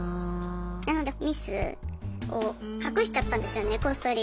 なのでミスを隠しちゃったんですよねこっそり。